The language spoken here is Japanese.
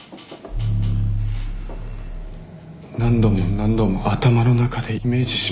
何度も何度も頭の中でイメージしました。